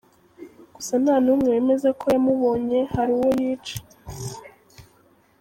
Gusa nta n’umwe wemeza ko yamubonye hari uwo yica.